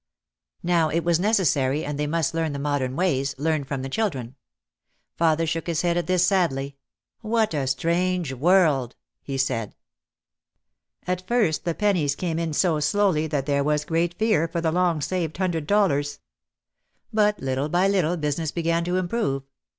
Now it was nec essary and they must learn the modern ways, learn from the children. Father shook his head at this sadly, "What a strange world !" he said. At first the pennies came in so slowly that there was great fear for the long saved hundred dollars. But little by little business began to improve.